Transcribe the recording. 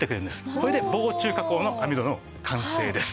これで防虫加工の網戸の完成です。